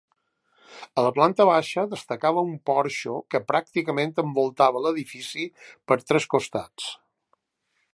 A la planta baixa destacava un porxo que pràcticament envoltava l'edifici per tres costats.